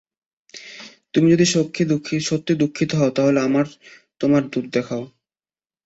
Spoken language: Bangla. তুমি যদি সত্যিই দুঃখিত হও, তাহলে আমাকে তোমার দুধ দেখাও।